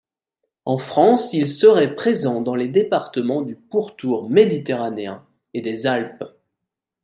En France il serait présent dans les départements du pourtour méditerranéen et des Alpes.